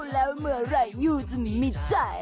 แล้วเมื่อไหร่อยู่จนไม่ใจ